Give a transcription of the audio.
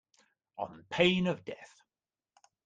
On pain of death.